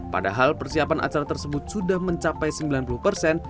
padahal persiapan acara tersebut sudah mencapai sembilan puluh persen